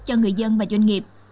cho người dân và doanh nghiệp